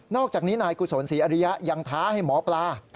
อกจากนี้นายกุศลศรีอริยะยังท้าให้หมอปลา